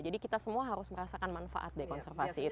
jadi kita semua harus merasakan manfaat dari konservasi itu